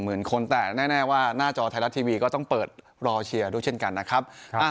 หมื่นคนแต่แน่ว่าหน้าจอไทยรัฐทีวีก็ต้องเปิดรอเชียร์ด้วยเช่นกันนะครับ